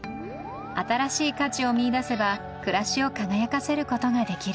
新しい価値を見いだせば暮らしを輝かせることができる